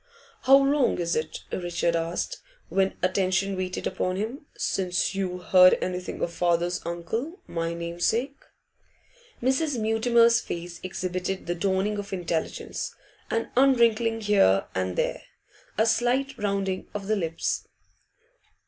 'How long is it,' Richard asked, when attention waited upon him, 'since you heard anything of father's uncle, my namesake?' Mrs. Mutimer's face exhibited the dawning of intelligence, an unwrinkling here and there, a slight rounding of the lips.